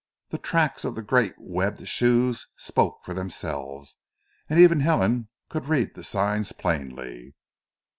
The tracks of the great webbed shoes spoke for themselves and even Helen could read the signs plainly.